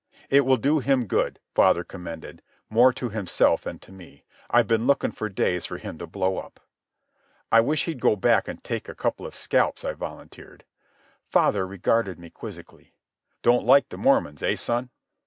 "It will do him good," father commended, more to himself than to me. "I've been looking for days for him to blow up." "I wish he'd go back and take a couple of scalps," I volunteered. My father regarded me quizzically. "Don't like the Mormons, eh, son?"